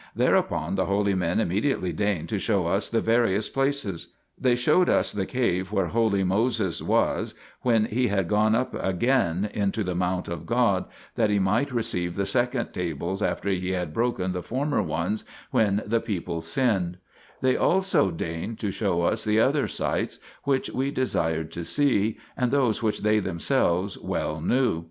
Thereupon the holy men immediately deigned to show us the various places. They showed us the cave where holy Moses was when he had gone up again into the mount of God, 2 that he might receive the second tables after he had broken the former ones when the people sinned ; they also deigned to show us the other sites which we desired to see, and those which they themselves well knew.